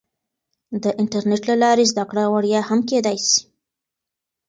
د انټرنیټ له لارې زده کړه وړیا هم کیدای سي.